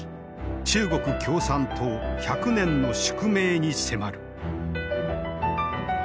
中国共産党１００年の宿命に迫る。